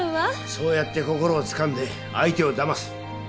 そうやって心をつかんで相手をだます。